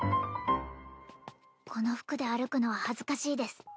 この服で歩くのは恥ずかしいです